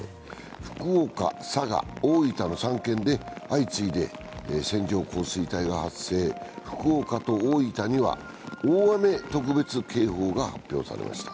福岡、佐賀、大分の３県で相次いで線状降水帯が発生し福岡と大分には大雨特別警報が発表されました。